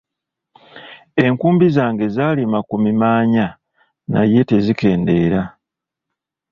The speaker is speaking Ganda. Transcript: Enkumbi zange zaalima ku mimaanya naye tezikendeera.